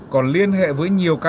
còn liên hệ với nhiều đối tượng